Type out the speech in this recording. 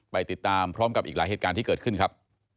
ไปติดตามพร้อมกับอีกหลายเหตุการณ์ที่เกิดขึ้นครับ